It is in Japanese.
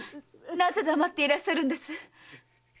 なぜ黙っていらっしゃるんです？